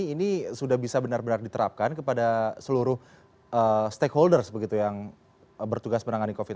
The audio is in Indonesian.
ini sudah bisa benar benar diterapkan kepada seluruh stakeholders begitu yang bertugas menangani covid sembilan belas